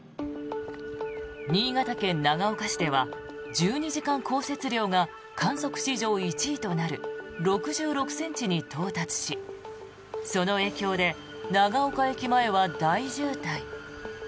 新潟県長岡市では１２時間降雪量が観測史上１位となる６６ｃｍに到達しその影響で長岡駅前は大渋滞。